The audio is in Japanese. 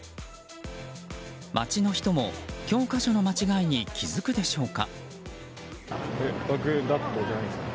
街の人も、教科書の間違いに気づくでしょうか？